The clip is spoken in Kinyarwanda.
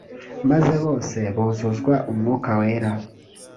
maze bose buzuzwa umwuka wera